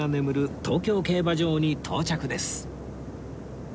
東京競馬場に到着です